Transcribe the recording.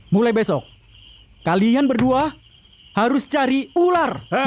mulai besok kalian berdua harus cari ular